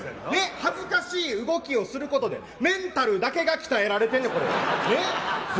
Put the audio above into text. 恥ずかしい動きをすることで、メンタルだけが鍛えられてんねん、これは。